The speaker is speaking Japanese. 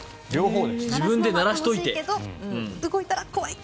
自分で鳴らしといて。